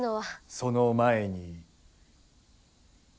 その前に。